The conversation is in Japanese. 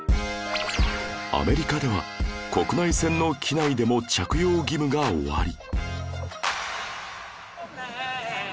アメリカでは国内線の機内でも着用義務が終わり